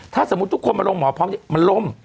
ถ้าสมมุติทุกคนมาลงหมอพร้อมนี่มันล่ม